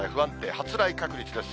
発雷確率です。